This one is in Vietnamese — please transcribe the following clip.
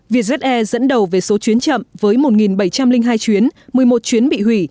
vietjet air dẫn đầu về số chuyến chậm với một bảy trăm linh hai chuyến một mươi một chuyến bị hủy